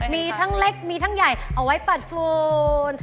มีทั้งเล็กมีทั้งใหญ่เอาไว้ปัดฟูน